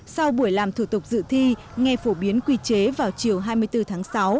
sau buổi làm thủ tục dự thi nghe phổ biến quy chế vào chiều hai mươi bốn tháng sáu